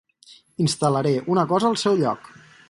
Instal·laré una cosa al seu lloc.